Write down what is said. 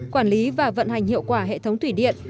quản lý và vận hành hiệu quả hệ thống thủy điện